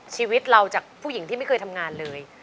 ชีวิตเราจากผู้หญิงที่ไม่เคยทำงานเลย